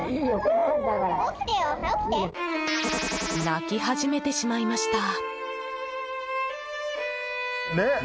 泣き始めてしまいました。